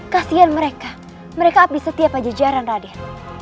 kasihan mereka mereka habis setiap pajajaran raden